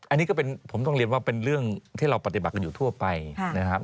อันนี้ก็เป็นผมต้องเรียนว่าเป็นเรื่องที่เราปฏิบัติกันอยู่ทั่วไปนะครับ